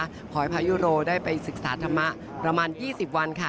ขอให้พายุโรได้ไปศึกษาธรรมะประมาณ๒๐วันค่ะ